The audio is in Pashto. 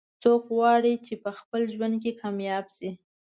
څوک غواړي چې په خپل ژوند کې کامیاب شي